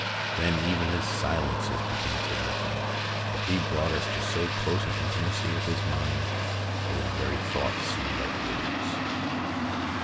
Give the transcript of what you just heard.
Then even his silences became significant, for he brought us to so close an intimacy with his mind that his very thoughts seemed like words.